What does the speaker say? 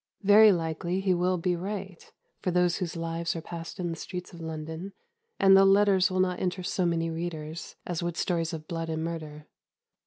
Very likely he will be right for those whose lives are passed in the streets of London, and the letters will not interest so many readers as would stories of blood and murder.